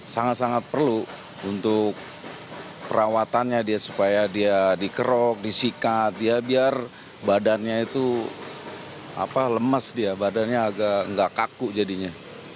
sangat sangat perlu untuk perawatannya dia supaya dia dikerok disikat dia biar badannya itu lemes dia badannya agak nggak kaku jadinya